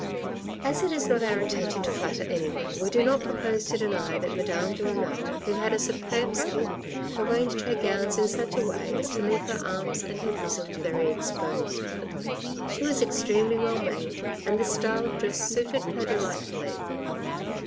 As it is not our intention to flatter anyone, we do not propose to deny that Madame de Renal, who had a superb skin, arranged her gowns in such a way as to leave her arms and her bosom very exposed. She was extremely well made, and this style of dress suited her delightfully.